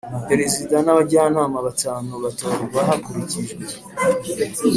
Perezida n abajyanama batanu batorwa hakurikijwe